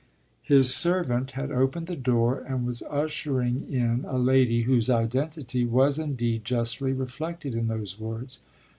His servant had opened the door and was ushering in a lady whose identity was indeed justly reflected in those words.